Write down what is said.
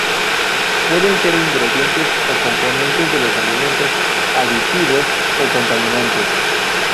Pueden ser ingredientes o componentes de los alimentos, aditivos o contaminantes.